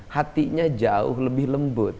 hatinya jauh lebih lembut